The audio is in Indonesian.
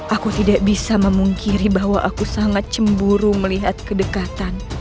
aku tidak bisa memungkiri bahwa aku sangat cemburu melihat kedekatan